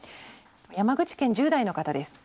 山口県１０代の方です。